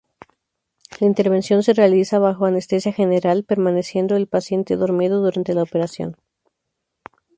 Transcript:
La intervención se realiza bajo anestesia general, permaneciendo el paciente dormido durante la operación.